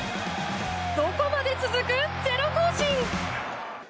どこまで続く、ゼロ行進！